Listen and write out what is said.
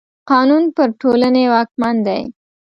قانون پر ټولني واکمن دی.